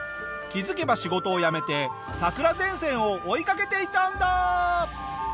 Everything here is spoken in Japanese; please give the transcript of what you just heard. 気付けば仕事を辞めて桜前線を追いかけていたんだ。